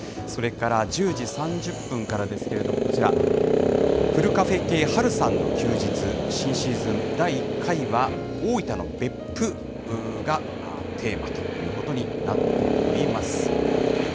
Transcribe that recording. それから、１０時３０分からですけれども、こちら、ふるカフェ系ハルさんの休日、新シーズン第１回は、大分の別府がテーマということになっております。